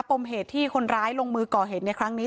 ปมเหตุที่คนร้ายลงมือก่อเหตุในครั้งนี้